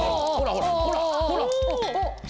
ほら！